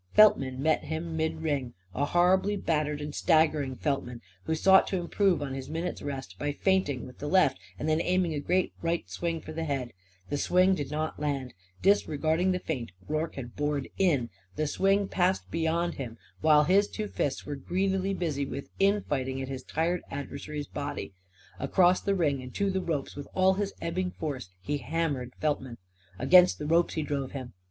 Feltman met him in midring; a horribly battered and staggering Feltman, who sought to improve on his minute's rest by feinting with the left and then aiming a great right swing for the head. The swing did not land. Disregarding the feint, Rorke had bored in. The swing passed beyond him, while his two fists were greedily busy with infighting at his tired adversary's body. Across the ring and to the ropes, with all his ebbing force, he hammered Feltman. Against the ropes he drove him.